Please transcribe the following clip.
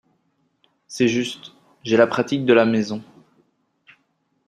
C’est juste, j’ai la pratique de la maison.